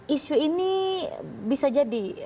isu ini bisa jadi